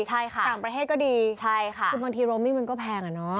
ใช่ค่ะใช่ค่ะต่างประเทศก็ดีคือบางทีโรมมิ้งก็แพงน่ะเนอะ